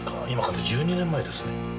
今から１２年前ですね。